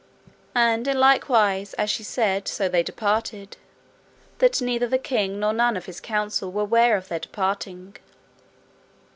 And in like wise as she said so they departed, that neither the king nor none of his council were ware of their departing.